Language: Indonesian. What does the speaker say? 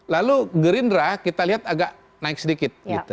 lalu gerindra kita lihat agak naik sedikit